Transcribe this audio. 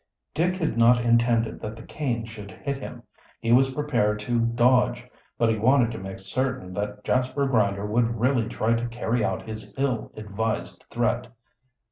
Dick had not intended that the cane should hit him. He was prepared to dodge. But he wanted to make certain that Jasper Grinder would really try to carry out his ill advised threat.